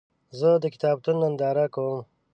زه د کتابونو ننداره کوم.